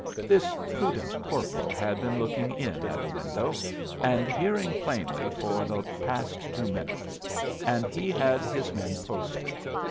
This prudent corporal had been looking in at a window and hearing plainly for the past two minutes, and he had his men posted.